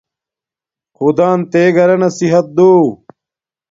خدان تے گھرانا صحت دو